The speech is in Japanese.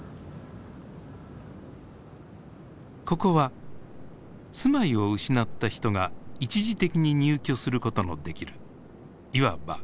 ここは住まいを失った人が一時的に入居することのできるいわば避難所。